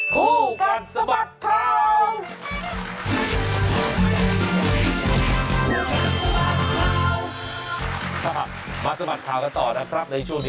ทู่กันสบัดคร่าว